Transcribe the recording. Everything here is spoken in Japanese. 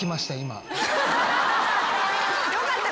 よかった